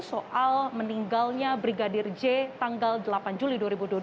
soal meninggalnya brigadir j tanggal delapan juli dua ribu dua puluh